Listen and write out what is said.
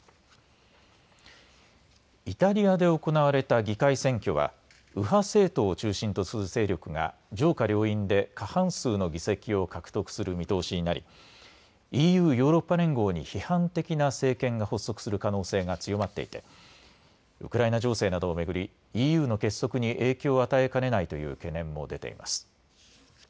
イタリアで行われた議会選挙は右派政党を中心とする勢力が上下両院で過半数の議席を獲得する見通しになり、ＥＵ・ヨーロッパ連合に批判的な政権が発足する可能性が強まっていてウクライナ情勢などを巡りＥＵの結束に影響を与えかねないという懸念も出ています。